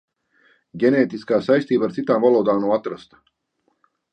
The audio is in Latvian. Ģenētiskā saistība ar citām valodām nav atrasta.